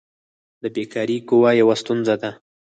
د بیکاري قوي یوه ستونزه ده.